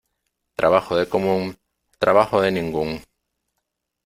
Trabajo de común, trabajo de ningún.